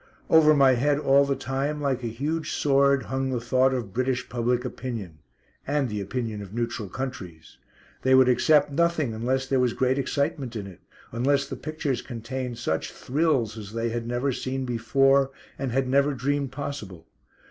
Over my head all the time, like a huge sword, hung the thought of British public opinion, and the opinion of neutral countries. They would accept nothing unless there was great excitement in it; unless the pictures contained such "thrills" as they had never seen before, and had never dreamed possible.